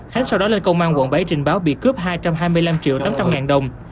hắn sau đó lên công an quận bảy trình báo bị cướp hai trăm hai mươi năm triệu tám trăm linh ngàn đồng